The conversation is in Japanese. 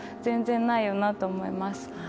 全然ないよなと思います